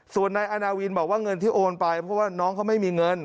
ส่วนนายอาณาวินบอกว่าเงินที่โอนไปเพราะว่าน้องเขาไม่มีเงิน